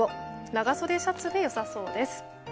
長袖シャツで良さそうです。